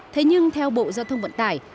thế nhưng theo bộ giao thông vận tải